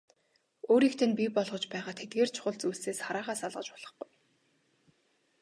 Өөрийг тань бий болгож байгаа тэдгээр чухал зүйлсээс хараагаа салгаж болохгүй.